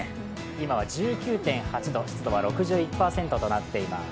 今は１９．８度、湿度は６１％となっています。